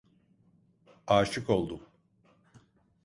Aşık oldum!